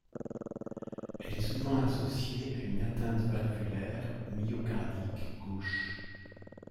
Elle est souvent associée à une atteinte valvulaire ou myocardique gauche.